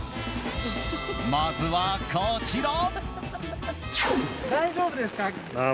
まずは、こちら。